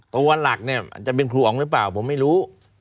ตัวหลักเนี่ยมันจะเป็นครูอ๋องหรือเปล่าผมไม่รู้